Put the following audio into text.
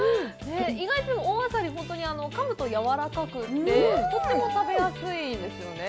意外と大あさり、噛むとやわらかくて、とっても食べやすいんですよね。